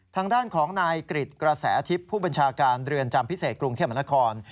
ทางด้านของนายกริจกระแสทิพย์ผู้บัญชาการเรือนจำพิเศษกรุงเทพมนาคม